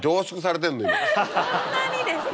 そんなにですか。